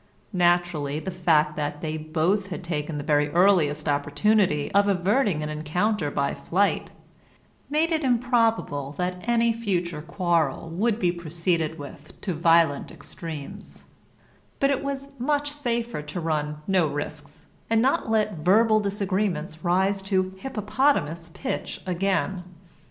Naturally the fact that they both had taken the very earliest opportunity of averting an encounter by flight, made it improbable that any future quarrel would be proceeded with to violent extremes, but it was much safer to run no risks, and not let verbal disagreements rise to hippopotamus pitch again.